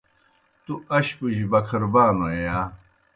تُوْ اشپوْجیْ بکھربانوئے یا؟